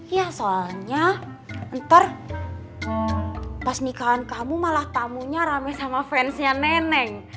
ya soalnya ntar pas nikahan kamu malah tamunya rame sama fansnya neneng